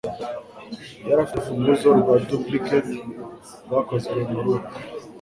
Yari afite urufunguzo rwa duplicate rwakozwe muri urwo.